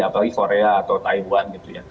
apalagi korea atau taiwan